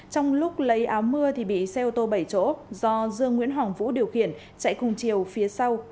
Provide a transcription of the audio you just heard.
trong lúc lấy áo mưa thì bị xe ô tô bảy chỗ do dương nguyễn hỏng vũ điều khiển chạy cùng chiều phía sau